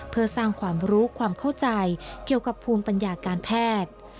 เพื่อสร้างความรู้ความเข้าใจเกี่ยวกับภูมิปัญญาการแพทย์